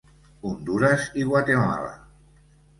Hondures i Guatemala.